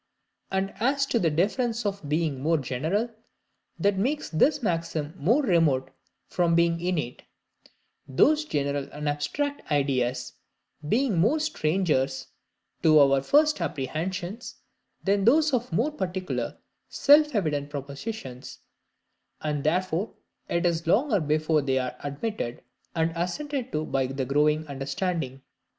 And as to the difference of being more general, that makes this maxim more remote from being innate; those general and abstract ideas being more strangers to our first apprehensions than those of more particular self evident propositions; and therefore it is longer before they are admitted, and assented to by the growing understanding.